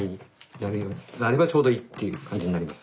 なればちょうどいいっていう感じになります。